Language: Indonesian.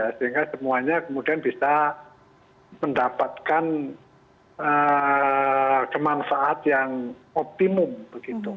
sehingga semuanya kemudian bisa mendapatkan kemanfaat yang optimum begitu